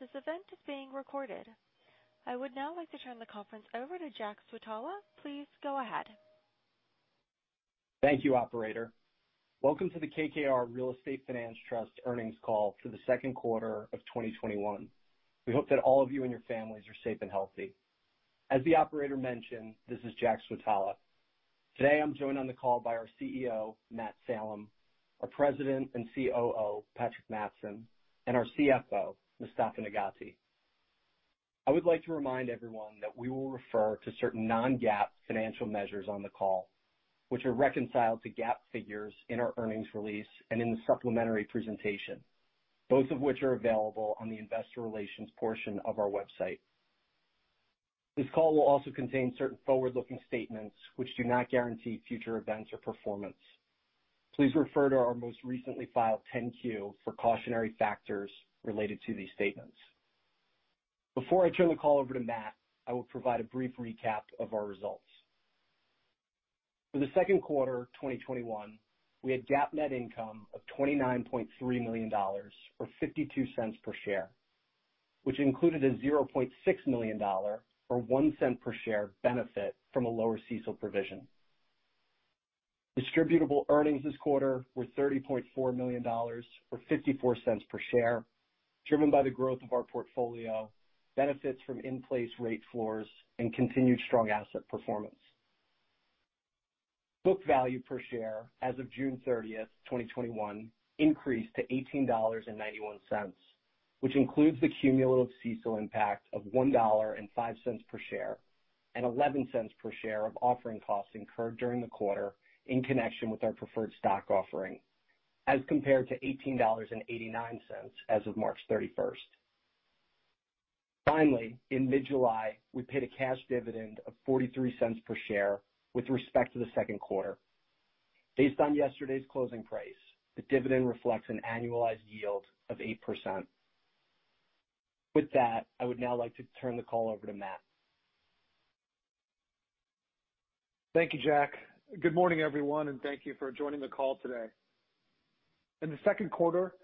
Please note this event is being recorded. I would now like to turn the conference over to Jack Switala. Please go ahead. Thank you, operator. Welcome to the KKR Real Estate Finance Trust earnings call for the second quarter of 2021. We hope that all of you and your families are safe and healthy. As the operator mentioned, this is Jack Switala. Today, I'm joined on the call by our CEO, Matt Salem, our President and COO, Patrick Mattson, and our CFO, Mostafa Nagaty. I would like to remind everyone that we will refer to certain non-GAAP financial measures on the call, which are reconciled to GAAP figures in our earnings release and in the supplementary presentation, both of which are available on the investor relations portion of our website. This call will also contain certain forward-looking statements which do not guarantee future events or performance. Please refer to our most recently filed 10-Q for cautionary factors related to these statements. Before I turn the call over to Matt, I will provide a brief recap of our results. For the second quarter 2021, we had GAAP net income of $29.3 million, or $0.52 per share, which included a $0.6 million or $0.01 per share benefit from a lower CECL provision. Distributable earnings this quarter were $30.4 million or $0.54 per share, driven by the growth of our portfolio, benefits from in-place rate floors, and continued strong asset performance. Book value per share as of June 30, 2021, increased to $18.91, which includes the cumulative CECL impact of $1.05 per share and $0.11 per share of offering costs incurred during the quarter in connection with our preferred stock offering, as compared to $18.89 as of March 31st. Finally, in mid-July, we paid a cash dividend of $0.43 per share with respect to the second quarter. Based on yesterday's closing price, the dividend reflects an annualized yield of 8%. With that, I would now like to turn the call over to Matt. Thank you, Jack. Good morning, everyone, and thank you for joining the call today. In the second quarter,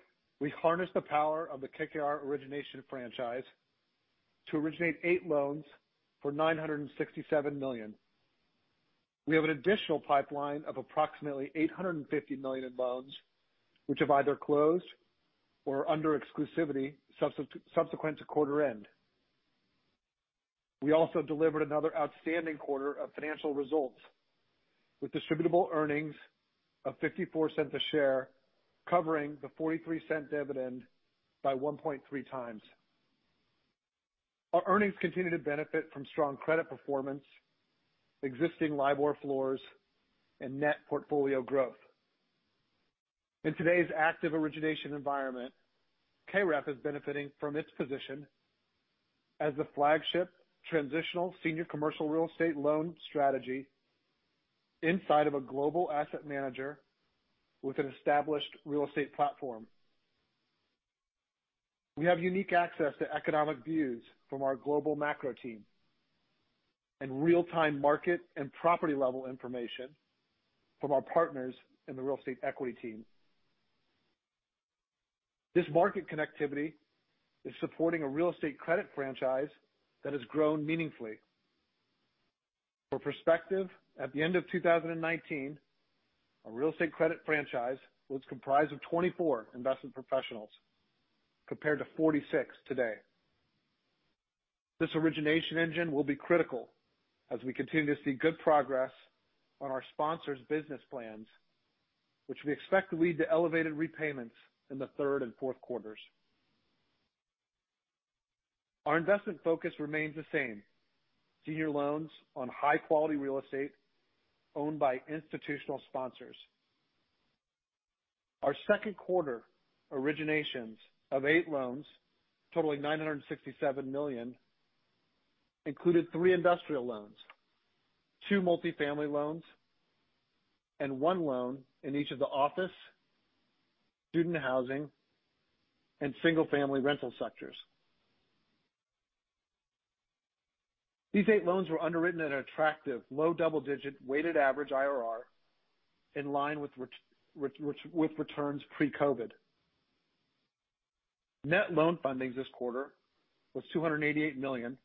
we harnessed the power of the KKR origination franchise to originate eight loans for $967 million. We have an additional pipeline of approximately $850 million in loans, which have either closed or are under exclusivity subsequent to quarter end. We also delivered another outstanding quarter of financial results with distributable earnings of $0.54 a share, covering the $0.43 dividend by 1.3x. Our earnings continue to benefit from strong credit performance, existing LIBOR floors, and net portfolio growth. In today's active origination environment, KREF is benefiting from its position as the flagship transitional senior commercial real estate loan strategy inside of a global asset manager with an established real estate platform. We have unique access to economic views from our global macro team and real-time market and property-level information from our partners in the real estate equity team. This market connectivity is supporting a real estate credit franchise that has grown meaningfully. For perspective, at the end of 2019, our real estate credit franchise was comprised of 24 investment professionals, compared to 46 today. This origination engine will be critical as we continue to see good progress on our sponsors' business plans, which we expect to lead to elevated repayments in the third and fourth quarters. Our investment focus remains the same: senior loans on high-quality real estate owned by institutional sponsors. Our second quarter originations of eight loans totaling $967 million included three industrial loans, two multifamily loans, and one loan in each of the office, student housing, and single-family rental sectors. These eight loans were underwritten at an attractive low double-digit weighted average IRR in line with returns pre-COVID. Net loan funding this quarter was $288 million,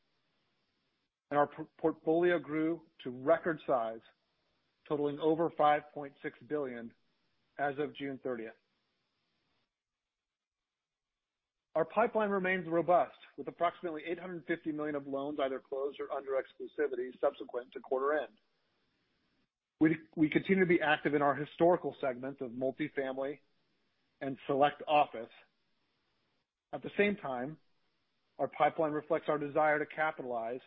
and our portfolio grew to record size, totaling over $5.6 billion as of June 30th. Our pipeline remains robust, with approximately $850 million of loans either closed or under exclusivity subsequent to quarter end. We continue to be active in our historical segments of multifamily and select office. At the same time, our pipeline reflects our desire to capitalize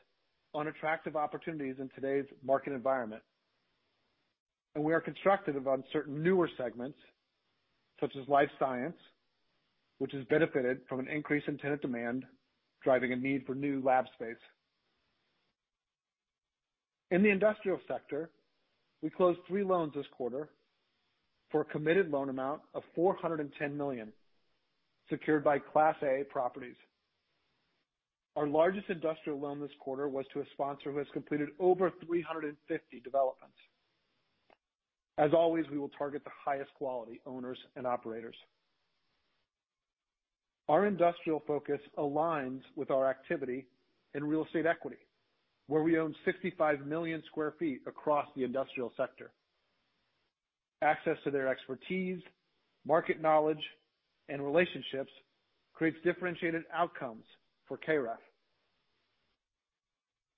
on attractive opportunities in today's market environment, and we are constructive about certain newer segments such as life science, which has benefited from an increase in tenant demand, driving a need for new lab space. In the industrial sector, we closed three loans this quarter for a committed loan amount of $410 million secured by Class A properties. Our largest industrial loan this quarter was to a sponsor who has completed over 350 developments. As always, we will target the highest quality owners and operators. Our industrial focus aligns with our activity in real estate equity, where we own 65 million sq ft across the industrial sector. Access to their expertise, market knowledge, and relationships creates differentiated outcomes for KREF.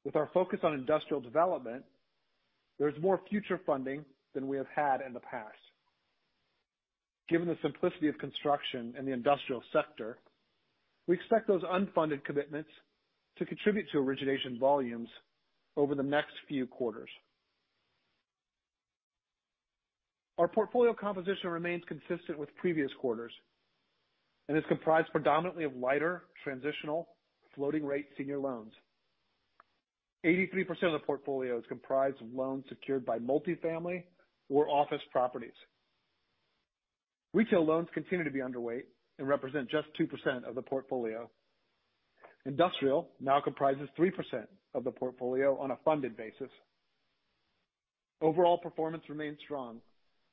With our focus on industrial development, there's more future funding than we have had in the past. Given the simplicity of construction in the industrial sector, we expect those unfunded commitments to contribute to origination volumes over the next few quarters. Our portfolio composition remains consistent with previous quarters and is comprised predominantly of lighter transitional floating rate senior loans. 83% of the portfolio is comprised of loans secured by multifamily or office properties. Retail loans continue to be underweight and represent just 2% of the portfolio. Industrial now comprises 3% of the portfolio on a funded basis. Overall performance remains strong,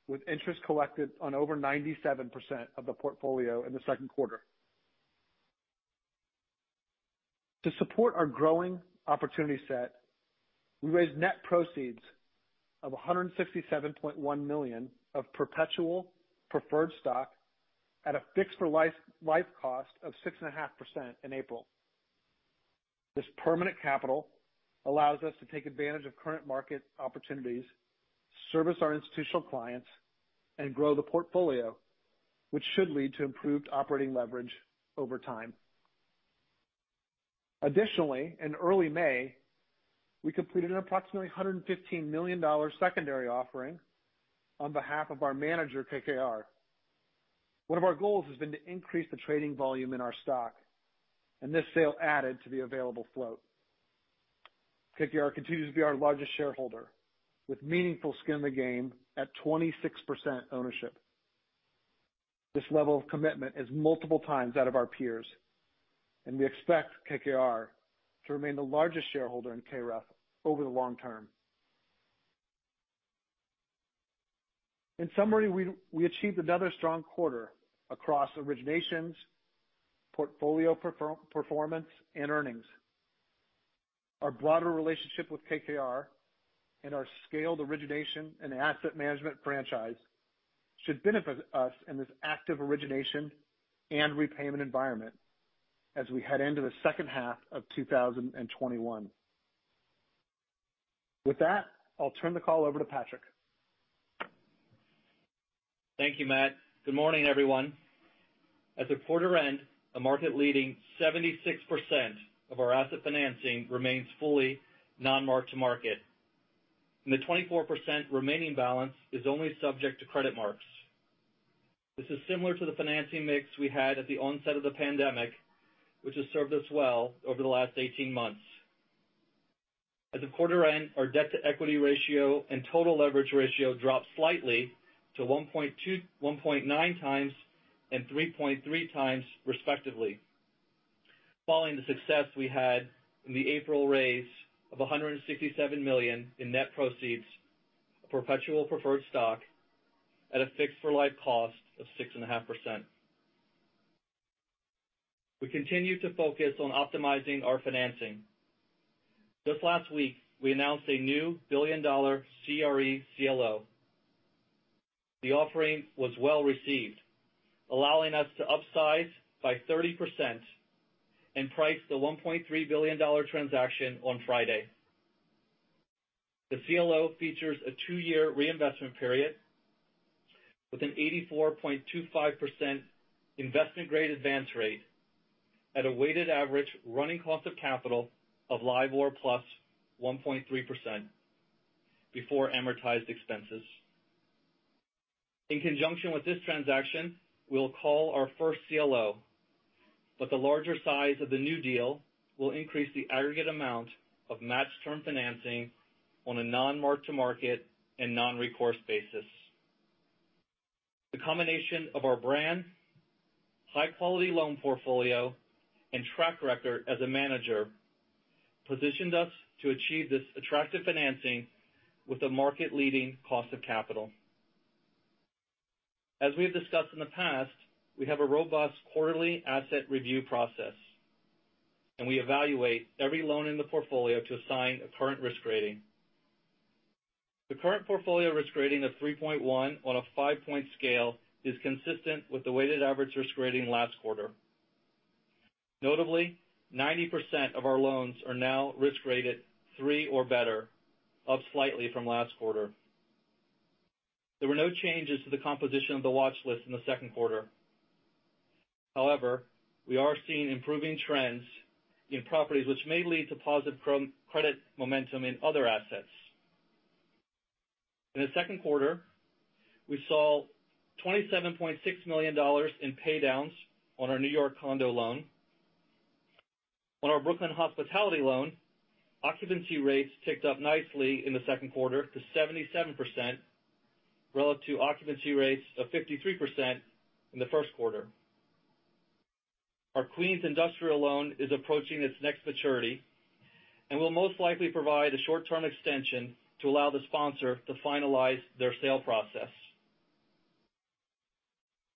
with interest collected on over 97% of the portfolio in the second quarter. To support our growing opportunity set, we raised net proceeds of $167.1 million of perpetual preferred stock at a fixed-for-life cost of 6.5% in April. This permanent capital allows us to take advantage of current market opportunities, service our institutional clients, and grow the portfolio, which should lead to improved operating leverage over time. Additionally, in early May, we completed an approximately $115 million secondary offering on behalf of our manager, KKR. One of our goals has been to increase the trading volume in our stock, and this sale added to the available float. KKR continues to be our largest shareholder with meaningful skin in the game at 26% ownership. This level of commitment is multiple times that of our peers, and we expect KKR to remain the largest shareholder in KREF over the long term. In summary, we achieved another strong quarter across originations, portfolio performance, and earnings. Our broader relationship with KKR and our scaled origination and asset management franchise should benefit us in this active origination and repayment environment as we head into the second half of 2021. With that, I'll turn the call over to Patrick. Thank you, Matt. Good morning, everyone. At the quarter end, a market-leading 76% of our asset financing remains fully non-mark-to-market, and the 24% remaining balance is only subject to credit marks. This is similar to the financing mix we had at the onset of the pandemic, which has served us well over the last 18 months. At the quarter end, our debt-to-equity ratio and total leverage ratio dropped slightly to 1.9x and 3.3x respectively. Following the success we had in the April raise of $167 million in net proceeds of perpetual preferred stock at a fixed-for-life cost of 6.5%. We continue to focus on optimizing our financing. Just last week, we announced a new billion-dollar CRE CLO. The offering was well-received, allowing us to upsize by 30% and price the $1.3 billion transaction on Friday. The CLO features a two-year reinvestment period with an 84.25% investment-grade advance rate at a weighted average running cost of capital of LIBOR plus 1.3% before amortized expenses. In conjunction with this transaction, we'll call our first CLO, but the larger size of the new deal will increase the aggregate amount of match term financing on a non-mark-to-market and non-recourse basis. The combination of our brand, high-quality loan portfolio, and track record as a manager positioned us to achieve this attractive financing with a market-leading cost of capital. As we have discussed in the past, we have a robust quarterly asset review process, and we evaluate every loan in the portfolio to assign a current risk rating. The current portfolio risk rating of 3.1 on a 5-point scale is consistent with the weighted average risk rating last quarter. Notably, 90% of our loans are now risk rated 3 or better, up slightly from last quarter. There were no changes to the composition of the watch list in the second quarter. We are seeing improving trends in properties which may lead to positive credit momentum in other assets. In the second quarter, we saw $27.6 million in paydowns on our New York condo loan. On our Brooklyn hospitality loan, occupancy rates ticked up nicely in the second quarter to 77%, relative to occupancy rates of 53% in the first quarter. Our Queens industrial loan is approaching its next maturity. We'll most likely provide a short-term extension to allow the sponsor to finalize their sale process.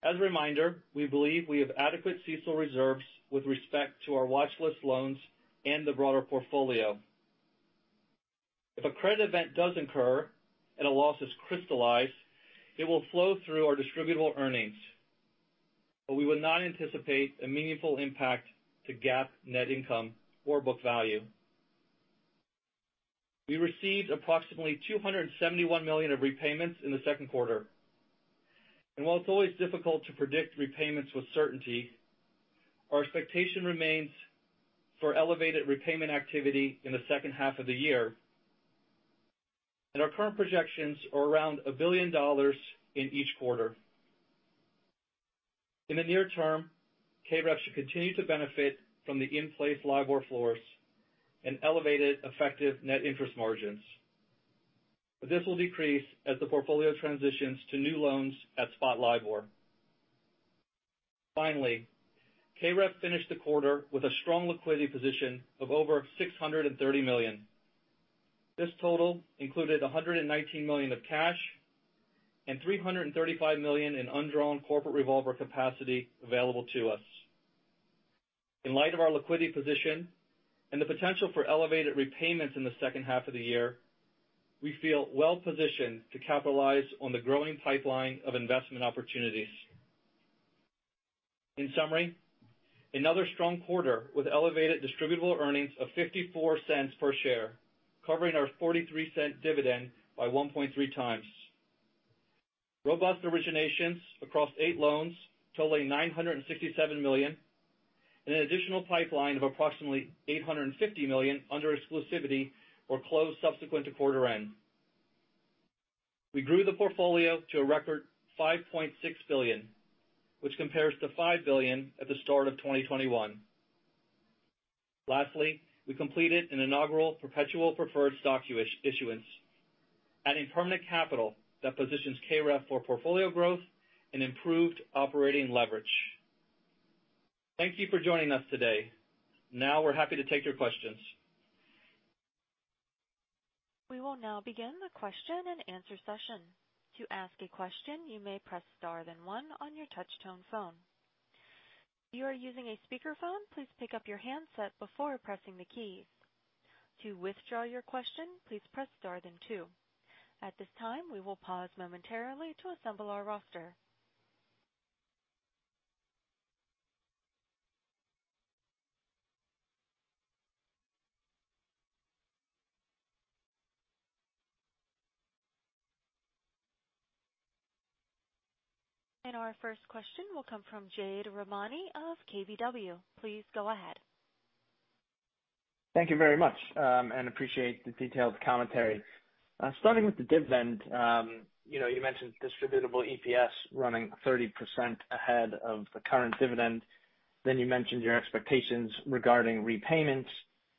As a reminder, we believe we have adequate CECL reserves with respect to our watch list loans and the broader portfolio. If a credit event does occur and a loss is crystallized, it will flow through our distributable earnings. We would not anticipate a meaningful impact to GAAP net income or book value. We received approximately $271 million of repayments in the second quarter. While it's always difficult to predict repayments with certainty, our expectation remains for elevated repayment activity in the second half of the year. Our current projections are around $1 billion in each quarter. In the near term, KREF should continue to benefit from the in-place LIBOR floors and elevated effective net interest margins. This will decrease as the portfolio transitions to new loans at spot LIBOR. KREF finished the quarter with a strong liquidity position of over $630 million. This total included $119 million of cash and $335 million in undrawn corporate revolver capacity available to us. In light of our liquidity position and the potential for elevated repayments in the second half of the year, we feel well-positioned to capitalize on the growing pipeline of investment opportunities. In summary, another strong quarter with elevated distributable earnings of $0.54 per share, covering our $0.43 dividend by 1.3x. Robust originations across eight loans totaling $967 million and an additional pipeline of approximately $850 million under exclusivity or closed subsequent to quarter end. We grew the portfolio to a record $5.6 billion, which compares to $5 billion at the start of 2021. Lastly, we completed an inaugural perpetual preferred stock issuance, adding permanent capital that positions KREF for portfolio growth and improved operating leverage. Thank you for joining us today. We're happy to take your questions. We will now begin the question-and-answer session. To ask a question, you may press star then one on your touch-tone phone. If you are using a speakerphone, please pick up your handset before pressing the key. To withdraw your question, please press star then two. At this time, we will pause momentarily to assemble our roster. Our first question will come from Jade Rahmani of KBW. Please go ahead. Thank you very much, and appreciate the detailed commentary. Starting with the dividend. You mentioned distributable EPS running 30% ahead of the current dividend. You mentioned your expectations regarding repayments,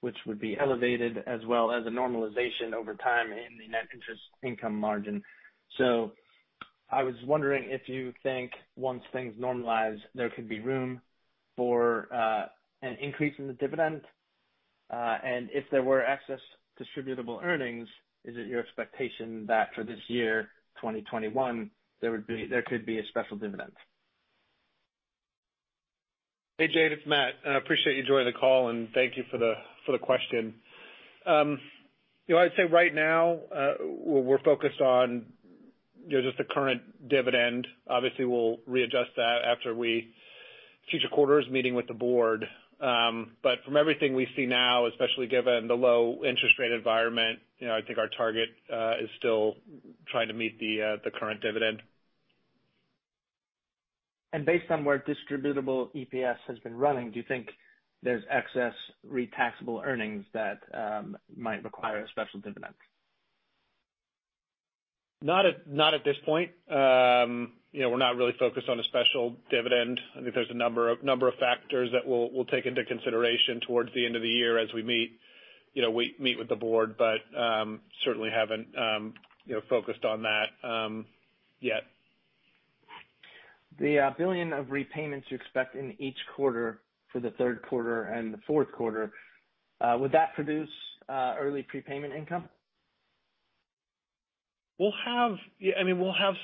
which would be elevated, as well as a normalization over time in the net interest income margin. I was wondering if you think once things normalize, there could be room for an increase in the dividend. If there were excess distributable earnings, is it your expectation that for this year, 2021, there could be a special dividend? Hey, Jade, it's Matt, and I appreciate you joining the call and thank you for the question. I'd say right now, we're focused on just the current dividend. Obviously, we'll readjust that after future quarters meeting with the board. From everything we see now, especially given the low interest rate environment, I think our target is still trying to meet the current dividend. Based on where distributable EPS has been running, do you think there's excess REIT taxable earnings that might require a special dividend? Not at this point. We're not really focused on a special dividend. I think there's a number of factors that we'll take into consideration towards the end of the year as we meet with the board. Certainly haven't focused on that yet. The $1 billion of repayments you expect in each quarter for the third quarter and the fourth quarter, would that produce early prepayment income? We'll have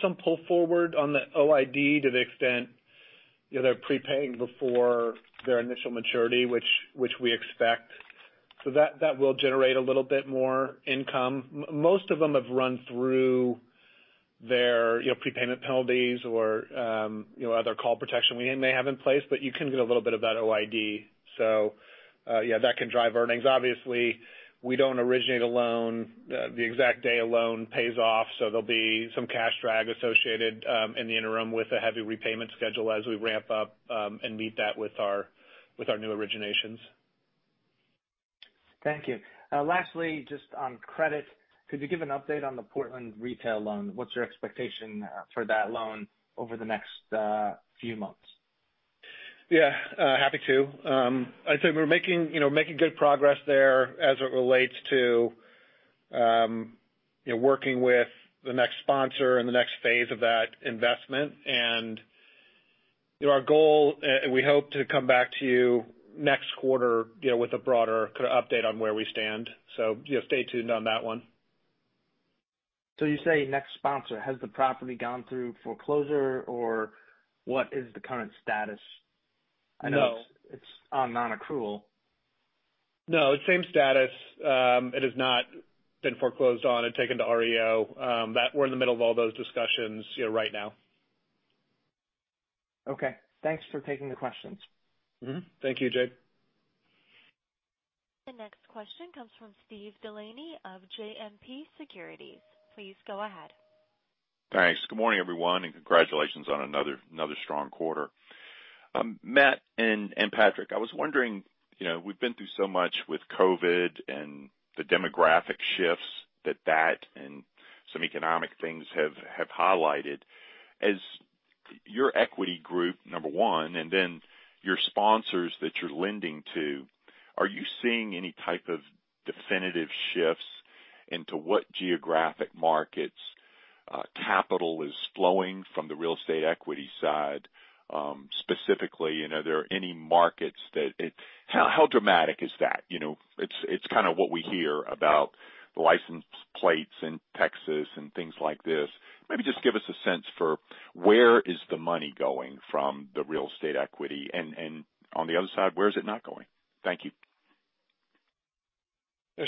some pull forward on the OID to the extent they're prepaying before their initial maturity, which we expect. That will generate a little bit more income. Most of them have run through their prepayment penalties or other call protection they may have in place, but you can get a little bit of that OID. Yeah, that can drive earnings. Obviously, we don't originate a loan the exact day a loan pays off, so there'll be some cash drag associated in the interim with a heavy repayment schedule as we ramp up and meet that with our new originations. Thank you. Lastly, just on credit, could you give an update on the Portland retail loan? What's your expectation for that loan over the next few months? Yeah. Happy to. I'd say we're making good progress there as it relates to working with the next sponsor and the next phase of that investment. Our goal, we hope to come back to you next quarter with a broader update on where we stand. Stay tuned on that one. You say next sponsor. Has the property gone through foreclosure or what is the current status? No. I know it's on nonaccrual. No, same status. It has not been foreclosed on and taken to REO. We're in the middle of all those discussions right now. Okay. Thanks for taking the questions. Thank you, Jade. The next question comes from Steve DeLaney of JMP Securities. Please go ahead. Thanks. Good morning, everyone, and congratulations on another strong quarter. Matt and Patrick, I was wondering, we've been through so much with COVID and the demographic shifts that that and some economic things have highlighted. As your equity group, number one, and then your sponsors that you're lending to, are you seeing any type of definitive shifts into what geographic markets capital is flowing from the real estate equity side? Specifically, are there any markets, how dramatic is that? It's kind of what we hear about license plates in Texas and things like this. Maybe just give us a sense for where is the money going from the real estate equity and, on the other side, where is it not going? Thank you.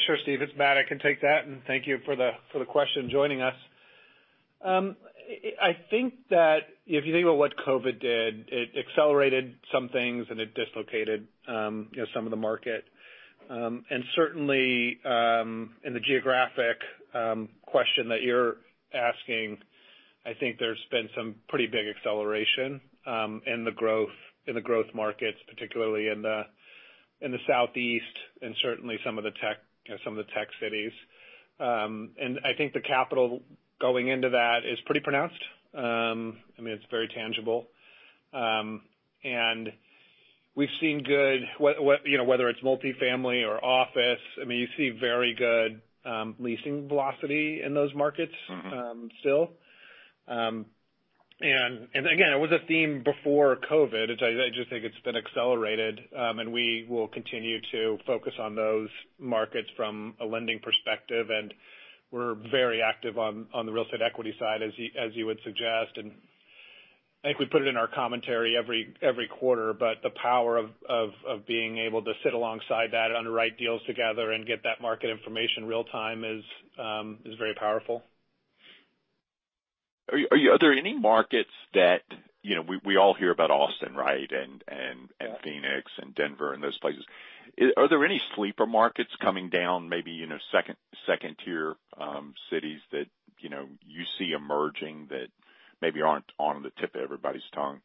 Sure, Steve, it's Matt. I can take that, and thank you for the question, joining us. I think that if you think about what COVID did, it accelerated some things and it dislocated some of the market. Certainly, in the geographic question that you're asking, I think there's been some pretty big acceleration, in the growth markets, particularly in the southeast and certainly some of the tech cities. I think the capital going into that is pretty pronounced. I mean, it's very tangible. We've seen good-- whether it's multifamily or office, you see very good leasing velocity in those markets still. Again, it was a theme before COVID. I just think it's been accelerated. We will continue to focus on those markets from a lending perspective, and we're very active on the real estate equity side, as you would suggest. I think we put it in our commentary every quarter, but the power of being able to sit alongside that, underwrite deals together, and get that market information real time is very powerful. Are there any markets we all hear about Austin, right, Phoenix and Denver and those places? Are there any sleeper markets coming down, maybe second-tier cities that you see emerging that maybe aren't on the tip of everybody's tongue?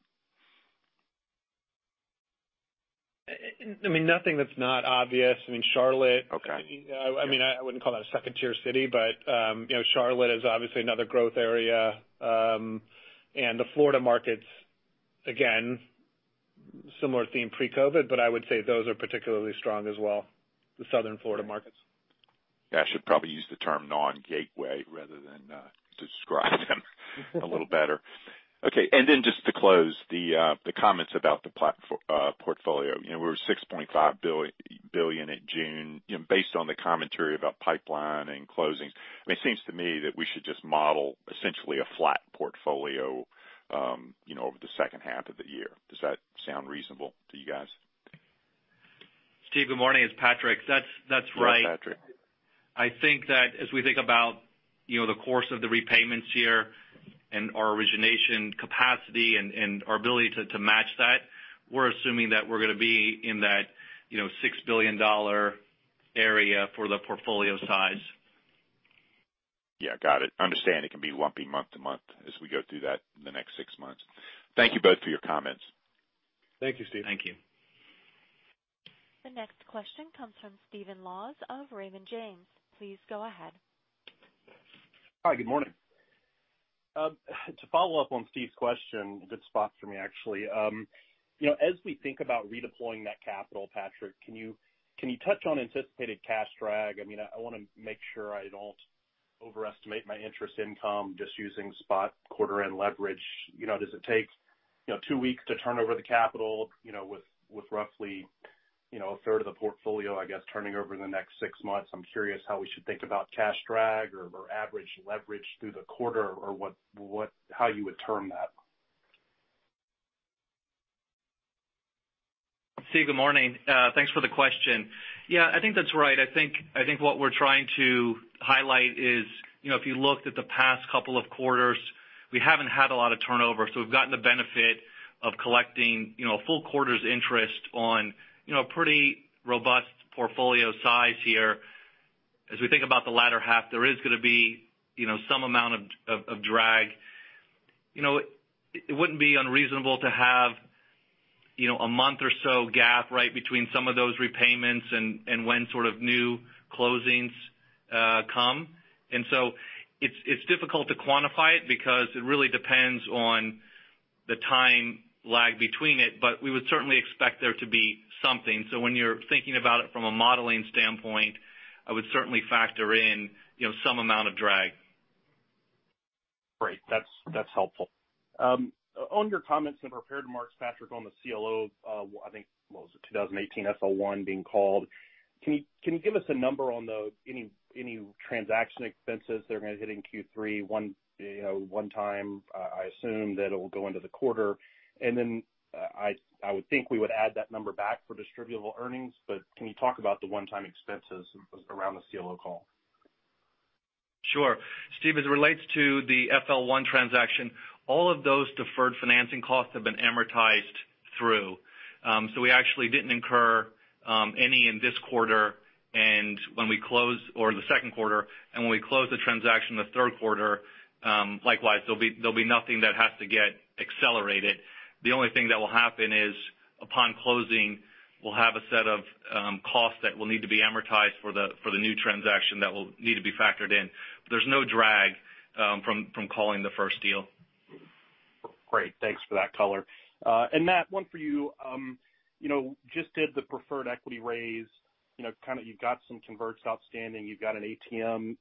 Nothing that's not obvious. I mean, Charlotte. Okay. I wouldn't call that a second-tier city. Charlotte is obviously another growth area. The Florida markets, again, similar theme pre-COVID. I would say those are particularly strong as well, the Southern Florida markets. Yeah, I should probably use the term non-gateway rather than describe them a little better. Okay. Just to close, the comments about the portfolio. We were $6.5 billion in June. Based on the commentary about pipeline and closings, it seems to me that we should just model essentially a flat portfolio over the second half of the year. Does that sound reasonable to you guys? Steve, good morning. It's Patrick. That's right. Go, Patrick. I think that as we think about the course of the repayments here and our origination capacity and our ability to match that, we're assuming that we're going to be in that $6 billion area for the portfolio size. Yeah, got it. Understand it can be lumpy month-to-month as we go through that in the next six months. Thank you both for your comments. Thank you, Steve. Thank you. The next question comes from Stephen Laws of Raymond James. Please go ahead. Hi, good morning. To follow-up on Steve's question, a good spot for me, actually. As we think about redeploying that capital, Patrick, can you touch on anticipated cash drag? I want to make sure I don't overestimate my interest income just using spot quarter end leverage. Does it take two weeks to turn over the capital with roughly a third of the portfolio, I guess, turning over in the next six months? I'm curious how we should think about cash drag or average leverage through the quarter, or how you would term that. Steve, good morning. Thanks for the question. Yeah, I think that's right. I think what we're trying to highlight is if you looked at the past couple of quarters, we haven't had a lot of turnover, so we've gotten the benefit of collecting a full quarter's interest on a pretty robust portfolio size here. As we think about the latter half, there is going to be some amount of drag. It wouldn't be unreasonable to have a month or so gap, right, between some of those repayments and when sort of new closings come. It's difficult to quantify it because it really depends on the time lag between it, but we would certainly expect there to be something. When you're thinking about it from a modeling standpoint, I would certainly factor in some amount of drag. Great. That's helpful. On your comments in the prepared remarks, Patrick, on the CLO, I think, what was it? 2018-FL1 being called. Can you give us a number on any transaction expenses that are going to hit in Q3 one time? I assume that it will go into the quarter. I would think we would add that number back for distributable earnings, but can you talk about the one-time expenses around the CLO call? Sure. Steve, as it relates to the FL1 transaction, all of those deferred financing costs have been amortized through. We actually didn't incur any in this quarter, or the second quarter, when we close the transaction in the third quarter, likewise, there'll be nothing that has to get accelerated. The only thing that will happen is, upon closing, we'll have a set of costs that will need to be amortized for the new transaction that will need to be factored in. There's no drag from calling the first deal. Great. Thanks for that color. Matt, one for you. Just did the preferred equity raise. You've got some converts outstanding. You've got an ATM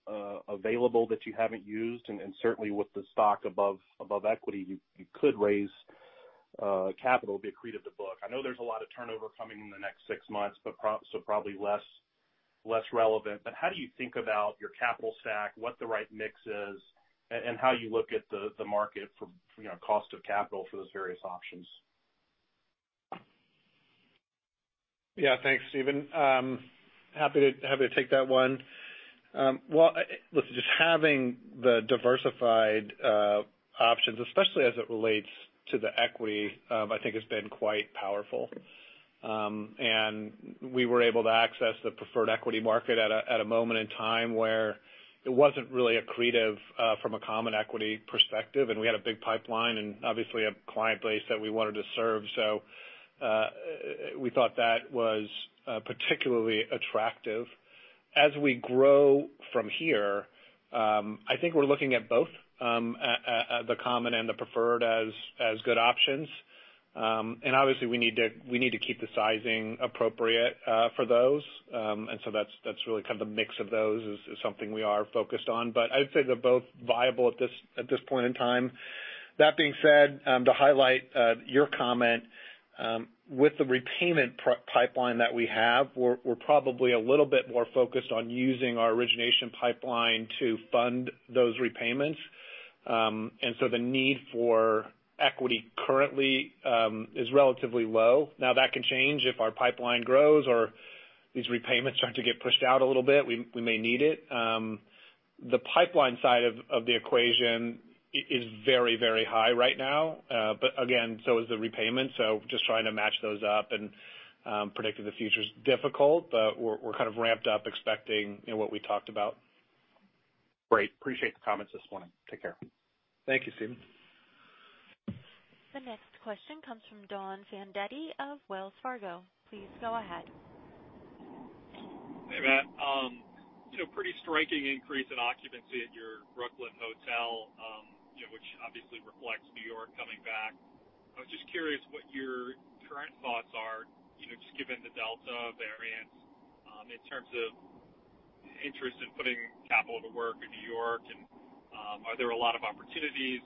available that you haven't used, and certainly with the stock above equity, you could raise capital via accretive to book. I know there's a lot of turnover coming in the next six months, so probably less relevant, but how do you think about your capital stack, what the right mix is, and how you look at the market for cost of capital for those various options? Yeah, thanks, Stephen. Happy to take that one. Well, listen, just having the diversified options, especially as it relates to the equity, I think has been quite powerful. We were able to access the preferred equity market at a moment in time where it wasn't really accretive from a common equity perspective, and we had a big pipeline and obviously a client base that we wanted to serve. We thought that was particularly attractive. As we grow from here, I think we're looking at both the common and the preferred as good options. Obviously we need to keep the sizing appropriate for those. That's really the mix of those is something we are focused on. I would say they're both viable at this point in time. That being said, to highlight your comment, with the repayment pipeline that we have, we're probably a little bit more focused on using our origination pipeline to fund those repayments. The need for equity currently is relatively low. Now, that can change if our pipeline grows or these repayments start to get pushed out a little bit, we may need it. The pipeline side of the equation is very high right now. Again, so is the repayment. Just trying to match those up and predicting the future's difficult, but we're ramped up expecting what we talked about. Great. Appreciate the comments this morning. Take care. Thank you, Stephen. The next question comes from Don Fandetti of Wells Fargo. Please go ahead. Hey, Matt. Pretty striking increase in occupancy at your Brooklyn Hotel, which obviously reflects New York coming back. I was just curious what your current thoughts are, just given the Delta variant, in terms of interest in putting capital to work in New York, and are there a lot of opportunities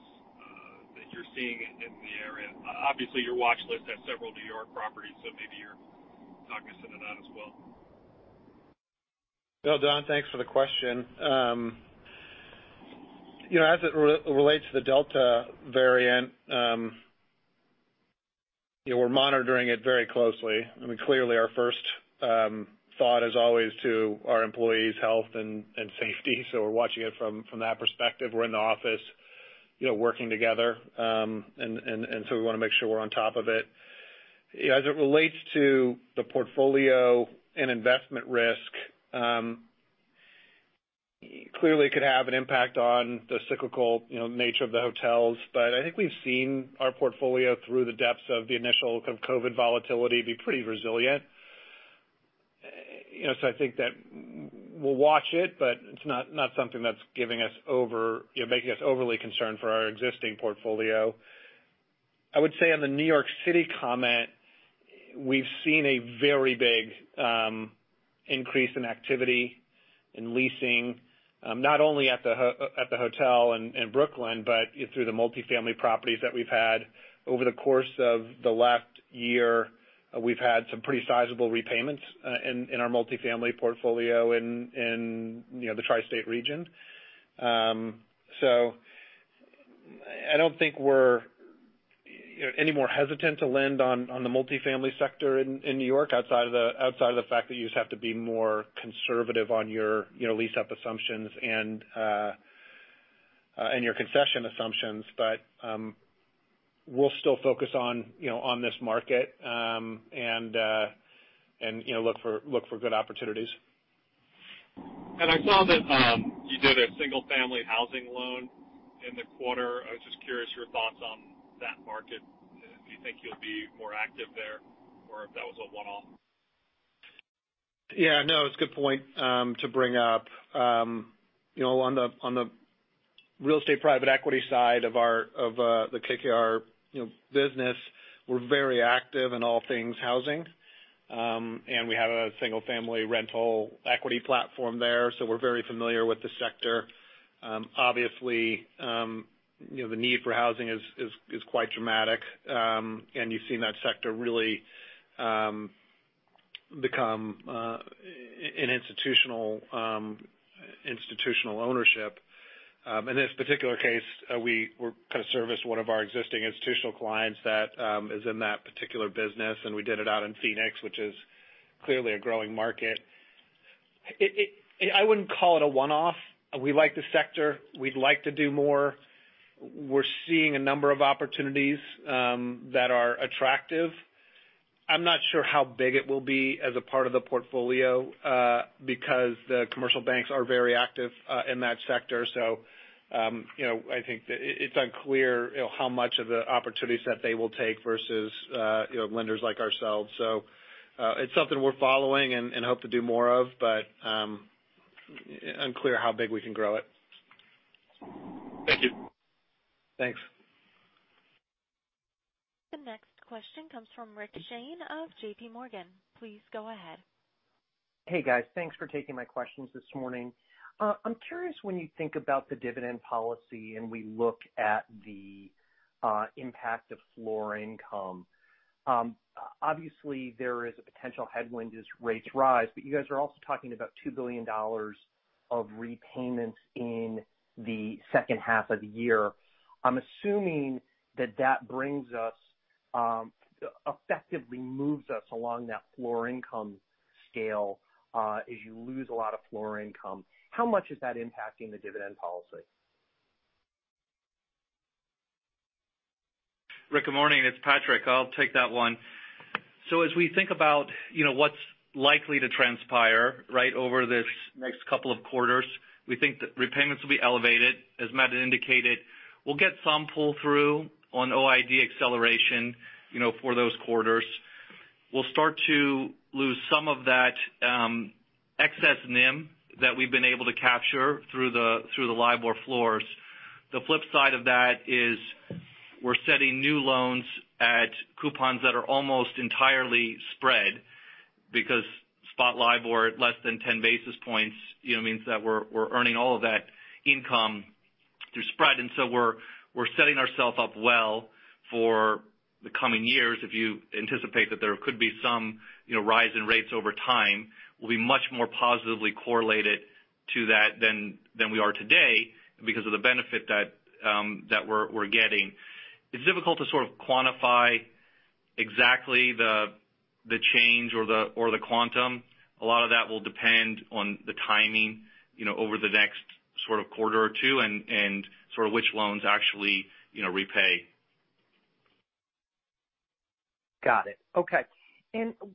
that you're seeing in the area? Obviously, your watch list has several New York properties, so maybe you'll talk to some of that as well. Well, Don, thanks for the question. As it relates to the Delta variant, we're monitoring it very closely. I mean, clearly our first thought is always to our employees' health and safety. We're watching it from that perspective. We're in the office working together. We want to make sure we're on top of it. As it relates to the portfolio and investment risk, clearly it could have an impact on the cyclical nature of the hotels. I think we've seen our portfolio through the depths of the initial COVID volatility be pretty resilient. I think that we'll watch it, but it's not something that's making us overly concerned for our existing portfolio. I would say on the New York City comment, we've seen a very big increase in activity in leasing, not only at the hotel in Brooklyn, but through the multifamily properties that we've had over the course of the last year. We've had some pretty sizable repayments in our multifamily portfolio in the Tri-state region. I don't think we're any more hesitant to lend on the multifamily sector in New York outside of the fact that you just have to be more conservative on your lease-up assumptions and your concession assumptions. We'll still focus on this market and look for good opportunities. I saw that you did a single-family housing loan in the quarter. I was just curious your thoughts on that market. Do you think you'll be more active there, or if that was a one-off? Yeah, no, it's a good point to bring up. On the real estate private equity side of the KKR business, we're very active in all things housing. We have a single-family rental equity platform there, so we're very familiar with the sector. Obviously, the need for housing is quite dramatic. You've seen that sector really become an institutional ownership. In this particular case, we kind of serviced one of our existing institutional clients that is in that particular business, and we did it out in Phoenix, which is clearly a growing market. I wouldn't call it a one-off. We like the sector. We'd like to do more. We're seeing a number of opportunities that are attractive. I'm not sure how big it will be as a part of the portfolio because the commercial banks are very active in that sector. I think that it's unclear how much of the opportunity set they will take versus lenders like ourselves. It's something we're following and hope to do more of, but unclear how big we can grow it. Thank you. Thanks. The next question comes from Rick Shane of JPMorgan. Please go ahead. Hey, guys. Thanks for taking my questions this morning. I'm curious when you think about the dividend policy and we look at the impact of floor income. Obviously, there is a potential headwind as rates rise, but you guys are also talking about $2 billion of repayments in the second half of the year. I'm assuming that that effectively moves us along that floor income scale as you lose a lot of floor income. How much is that impacting the dividend policy? Rick, good morning. It's Patrick. I'll take that one. As we think about what's likely to transpire right over this next couple of quarters, we think that repayments will be elevated. As Matt indicated, we'll get some pull-through on OID acceleration for those quarters. We'll start to lose some of that excess NIM that we've been able to capture through the LIBOR floors. The flip side of that is we're setting new loans at coupons that are almost entirely spread because spot LIBOR at less than 10 basis points means that we're earning all of that income through spread. We're setting ourself up well for the coming years. If you anticipate that there could be some rise in rates over time, we'll be much more positively correlated to that than we are today because of the benefit that we're getting. It's difficult to sort of quantify exactly the change or the quantum. A lot of that will depend on the timing over the next sort of quarter or two and sort of which loans actually repay. Got it. Okay.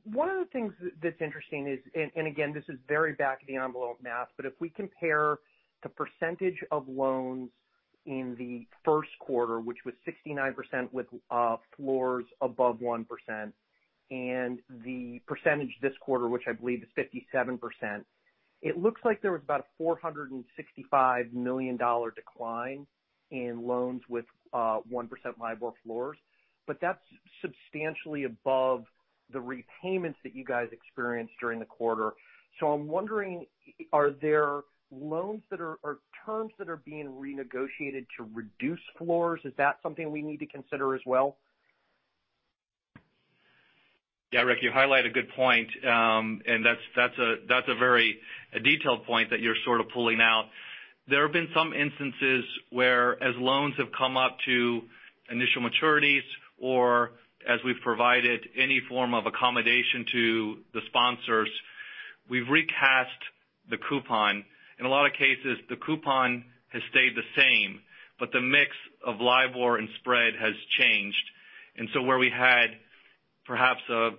One of the things that's interesting is, and again, this is very back-of-the-envelope math, but if we compare the percentage of loans in the first quarter, which was 69% with floors above 1%, and the percentage this quarter, which I believe is 57%, it looks like there was about a $465 million decline in loans with 1% LIBOR floors. That's substantially above the repayments that you guys experienced during the quarter. I'm wondering, are there loans or terms that are being renegotiated to reduce floors? Is that something we need to consider as well? Rick, you highlight a good point. That's a very detailed point that you're sort of pulling out. There have been some instances where as loans have come up to initial maturities or as we've provided any form of accommodation to the sponsors, we've recast the coupon. In a lot of cases, the coupon has stayed the same, but the mix of LIBOR and spread has changed. Where we had perhaps a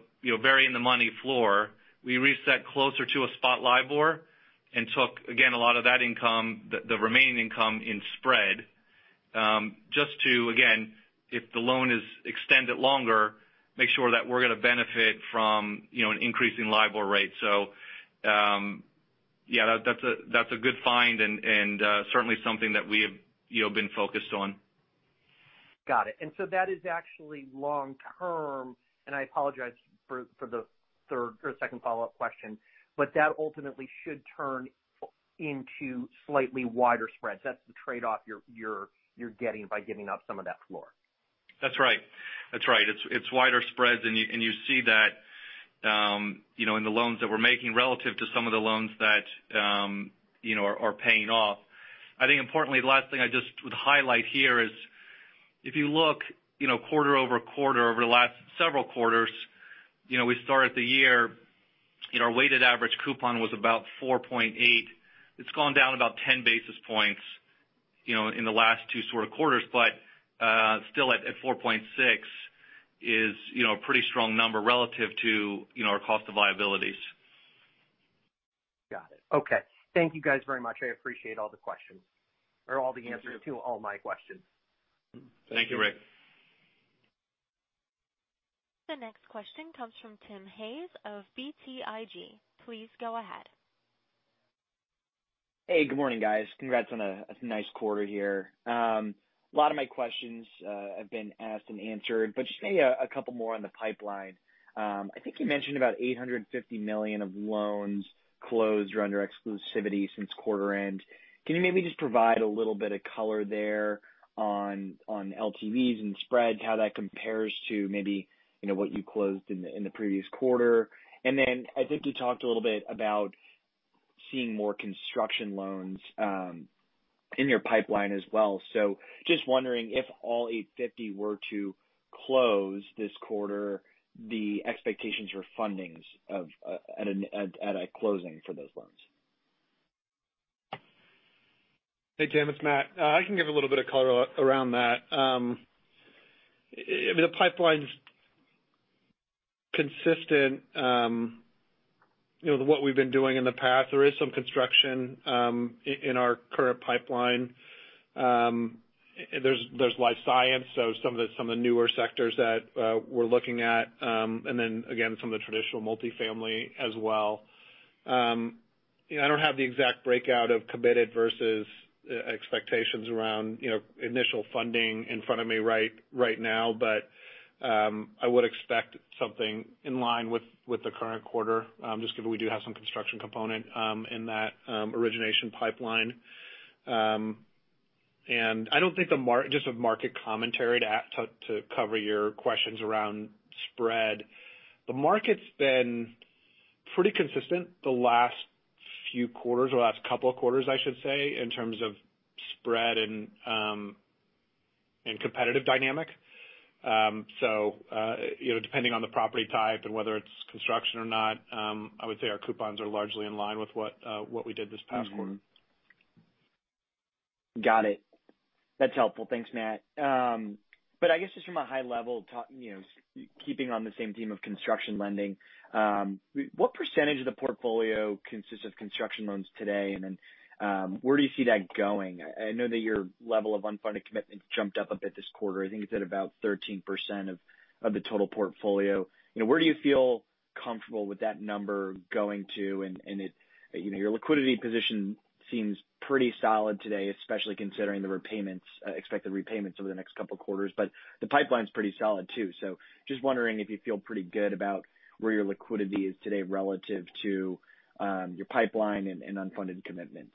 very in-the-money floor, we reset closer to a spot LIBOR and took, again, a lot of that income, the remaining income in spread just to, again, if the loan is extended longer, make sure that we're going to benefit from an increase in LIBOR rate. That's a good find and certainly something that we have been focused on. Got it. That is actually long term, and I apologize for the second follow-up question, but that ultimately should turn into slightly wider spreads. That's the trade-off you're getting by giving up some of that floor. That's right. It's wider spreads, and you see that in the loans that we're making relative to some of the loans that are paying off. I think importantly, the last thing I just would highlight here is if you look quarter-over-quarter over the last several quarters, we start the year and our weighted average coupon was about 4.8. It's gone down about 10 basis points in the last two sort of quarters, but still at 4.6 is a pretty strong number relative to our cost of liabilities. Got it. Okay. Thank you guys very much. I appreciate all the answers to all my questions. Thank you, Rick. The next question comes from Tim Hayes of BTIG. Please go ahead. Hey, good morning, guys. Congrats on a nice quarter here. A lot of my questions have been asked and answered, just maybe a couple more on the pipeline. I think you mentioned about $850 million of loans closed or under exclusivity since quarter end. Can you maybe just provide a little bit of color there on LTVs and spreads, how that compares to maybe what you closed in the previous quarter? I think you talked a little bit about seeing more construction loans in your pipeline as well. Just wondering if all $850 were to close this quarter, the expectations for fundings at a closing for those loans? Hey, Tim. It's Matt. I can give a little bit of color around that. The pipeline's consistent, what we've been doing in the past. There is some construction in our current pipeline. There's life science, some of the newer sectors that we're looking at, and then again, some of the traditional multifamily as well. I don't have the exact breakout of committed versus expectations around initial funding in front of me right now. I would expect something in line with the current quarter, just given we do have some construction component in that origination pipeline. Just a market commentary to cover your questions around spread. The market's been pretty consistent the last few quarters, or the last couple of quarters, I should say, in terms of spread and competitive dynamic. Depending on the property type and whether it's construction or not, I would say our coupons are largely in line with what we did this past quarter. Got it. That's helpful. Thanks, Matt. I guess just from a high level, keeping on the same theme of construction lending, what percentage of the portfolio consists of construction loans today, and then where do you see that going? I know that your level of unfunded commitments jumped up a bit this quarter. I think it's at about 13% of the total portfolio. Where do you feel comfortable with that number going to? Your liquidity position seems pretty solid today, especially considering the expected repayments over the next couple of quarters. The pipeline's pretty solid too. Just wondering if you feel pretty good about where your liquidity is today relative to your pipeline and unfunded commitments.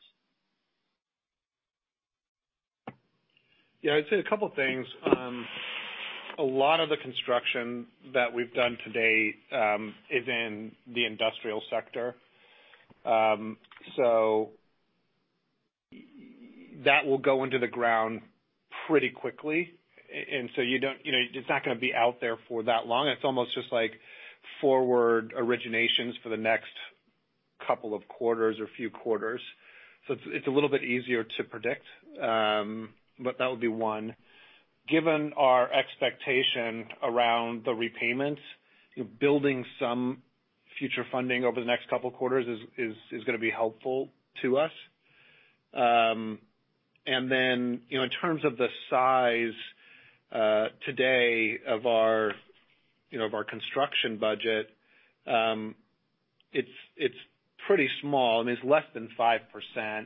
I'd say a couple of things. A lot of the construction that we've done to date is in the industrial sector. That will go into the ground pretty quickly. It's not going to be out there for that long. It's almost just like forward originations for the next couple of quarters or few quarters. It's a little bit easier to predict. That would be one. Given our expectation around the repayments, building some future funding over the next two quarters is going to be helpful to us. In terms of the size today of our construction budget, it's pretty small. I mean, it's less than 5%.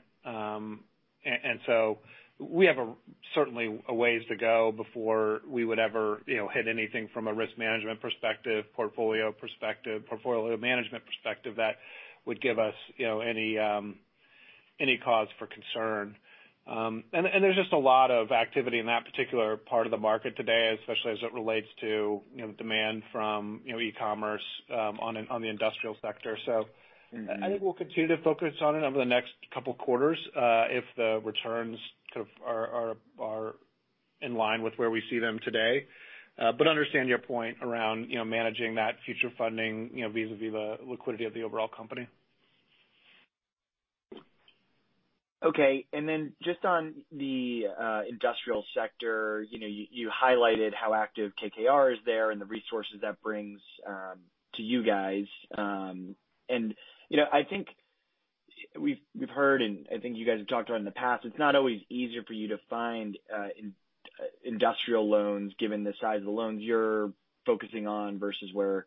We have certainly a ways to go before we would ever hit anything from a risk management perspective, portfolio perspective, portfolio management perspective that would give us any cause for concern. There's just a lot of activity in that particular part of the market today, especially as it relates to demand from e-commerce on the industrial sector. I think we'll continue to focus on it over the next couple of quarters if the returns are in line with where we see them today. Understand your point around managing that future funding vis-à-vis the liquidity of the overall company. Okay. Just on the industrial sector. You highlighted how active KKR is there and the resources that brings to you guys. I think we've heard, and I think you guys have talked about in the past, it's not always easier for you to find industrial loans given the size of the loans you're focusing on versus where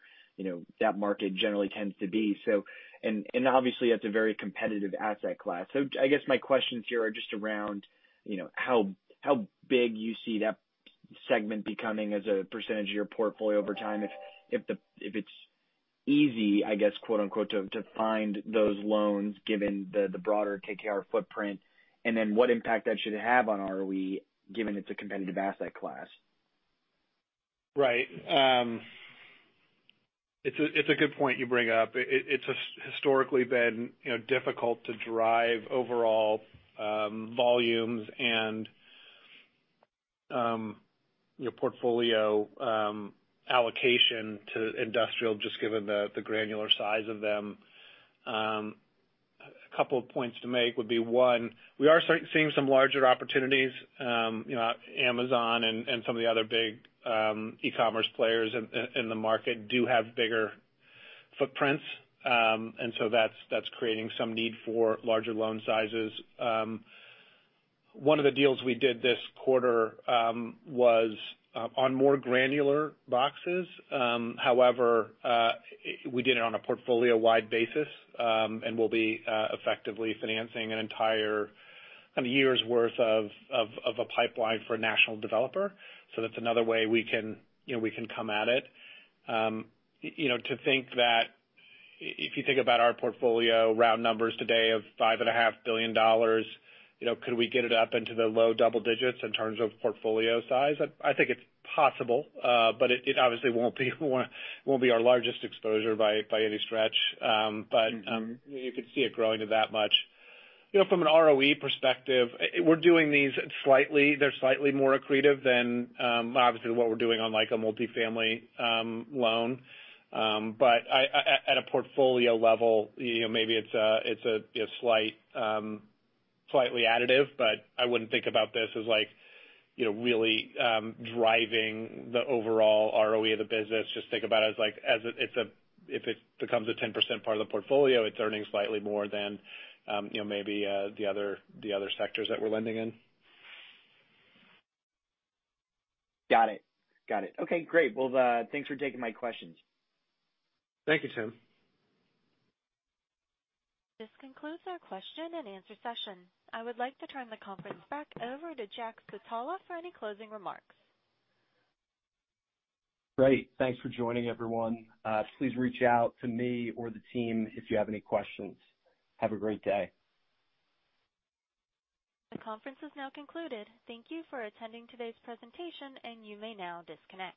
that market generally tends to be. Obviously that's a very competitive asset class. I guess my questions here are just around how big you see that segment becoming as a percentage of your portfolio over time. If it's easy, I guess, quote unquote, to find those loans given the broader KKR footprint, and then what impact that should have on ROE given it's a competitive asset class? Right. It's a good point you bring up. It's historically been difficult to drive overall volumes and portfolio allocation to industrial just given the granular size of them. A couple of points to make would be one, we are seeing some larger opportunities. Amazon and some of the other big e-commerce players in the market do have bigger footprints. That's creating some need for larger loan sizes. One of the deals we did this quarter was on more granular boxes. However, we did it on a portfolio-wide basis, and we'll be effectively financing an entire year's worth of a pipeline for a national developer. That's another way we can come at it. If you think about our portfolio round numbers today of $5.5 billion, could we get it up into the low double digits in terms of portfolio size? I think it's possible. It obviously won't be our largest exposure by any stretch. You could see it growing to that much. From an ROE perspective, they're slightly more accretive than obviously what we're doing on a multifamily loan. At a portfolio level, maybe it's slightly additive, but I wouldn't think about this as really driving the overall ROE of the business. Just think about it as if it becomes a 10% part of the portfolio, it's earning slightly more than maybe the other sectors that we're lending in. Got it. Okay, great. Well, thanks for taking my questions. Thank you, Tim. This concludes our question-and-answer session. I would like to turn the conference back over to Jack Switala for any closing remarks. Great. Thanks for joining, everyone. Please reach out to me or the team if you have any questions. Have a great day. The conference is now concluded. Thank you for attending today's presentation, and you may now disconnect.